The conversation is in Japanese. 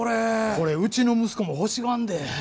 これうちの息子も欲しがんで。